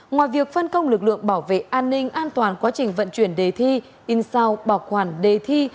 ngoài việc phân công lực lượng bảo vệ an ninh an toàn quá trình vận chuyển đề thi in sao bảo quản đề thi